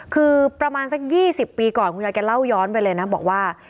คือประมาณสัก๒๐ปีก่อนคุณยายแกเล่าย้อนไปเลยนะบอกว่า